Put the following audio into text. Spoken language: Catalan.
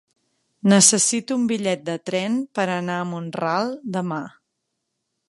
Necessito un bitllet de tren per anar a Mont-ral demà.